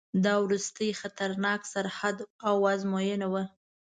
دا وروستی خطرناک سرحد او آزموینه وه.